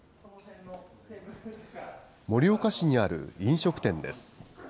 盛岡市にある飲食店です。